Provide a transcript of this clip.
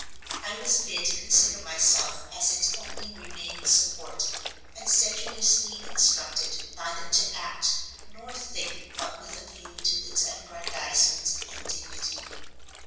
I was bid consider myself as its only remaining support, and sedulously instructed neither to act nor think but with a view to its aggrandizement and dignity.